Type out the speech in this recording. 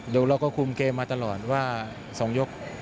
มันจะคุมเกมอ่าตลอดว่า๒ยก